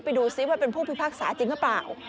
ไปดูซิว่าเป็นผู้พิพากษาจริงหรือเปล่า